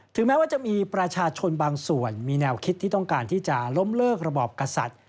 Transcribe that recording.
แม้ว่าจะมีประชาชนบางส่วนมีแนวคิดที่ต้องการที่จะล้มเลิกระบอบกษัตริย์